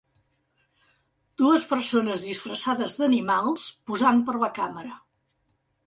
Dues persones disfressades d'animals posant per a la càmera.